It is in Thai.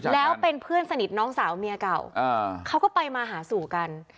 แล้วเป็นเพื่อนสนิทน้องสาวเมียเก่าเขาก็ไปมาหาสู่กัน